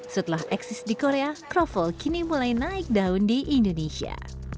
setelah eksis di korea kroffel kini mulai naik daun di indonesia